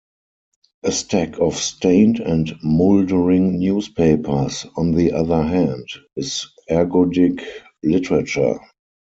A stack of stained and mouldering newspapers, on the other hand, is ergodic literature.